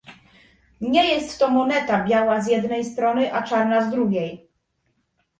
Nie jest to moneta biała z jednej strony, a czarna z drugiej